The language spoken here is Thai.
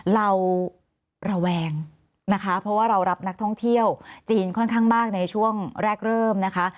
เราระแวงนะคะเพราะว่าเรารับนักท่องเที่ยวจีนค่อนข้างมากในช่วงแรกเริ่มนะคะ